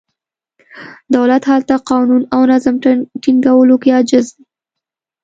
دولت هلته قانون او نظم ټینګولو کې عاجز دی.